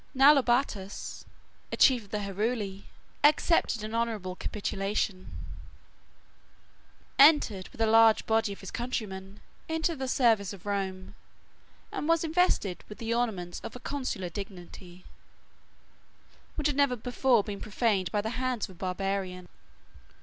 Naulobatus, a chief of the Heruli, accepted an honorable capitulation, entered with a large body of his countrymen into the service of Rome, and was invested with the ornaments of the consular dignity, which had never before been profaned by the hands of a barbarian.